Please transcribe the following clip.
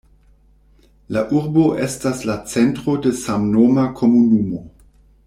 La urbo estas la centro de samnoma komunumo.